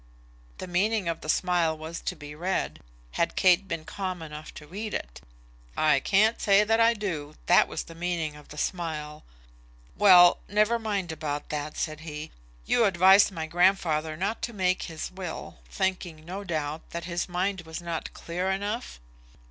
The meaning of the smile was to be read, had Kate been calm enough to read it. "I can't say that I do." That was the meaning of the smile. "Well, never mind about that," said he; "you advised my grandfather not to make his will, thinking, no doubt, that his mind was not clear enough?"